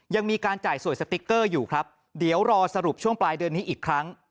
ยังมีการจ่ายสวยสติ๊กเกอร์อยู่ครับเดี๋ยวรอสรุปช่วงปลายเดือนนี้อีกครั้ง